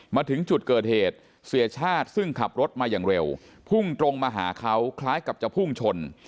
มาถึงจุดเกิดเหตุเสียชาติซึ่งขับรถมาอย่างเร็วพุ่งตรงมาหาเขาคล้ายกับจะพุ่งชน